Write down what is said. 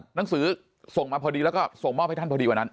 หนังสือส่งมาพอดีแล้วก็ส่งมอบให้ท่านพอดีวันนั้น